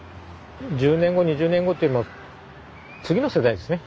１０年後２０年後っていうよりも次の世代ですね。